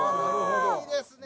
いいですね。